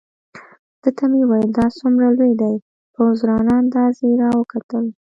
ده ته مې وویل: دا څومره لوی دی؟ په عذرانه انداز یې را وکتل.